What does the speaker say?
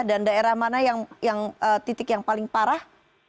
daerah mana yang titik yang paling parah